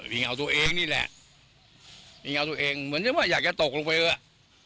มีเงาตัวเองนี่แหละมีเงาตัวเองเหมือนจะว่าอยากจะตกลงไปอ่ะ